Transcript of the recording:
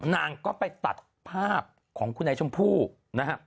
นางก็ไปตัดภาพของคุณไอ้ชมพู่นะฮะ